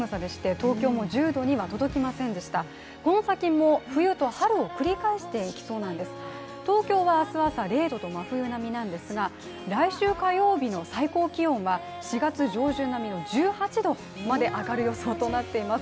東京は明日朝、０度と真冬並みなんですが来週火曜日の最高気温は４月上旬並みの１８度まで上がる予想になっています。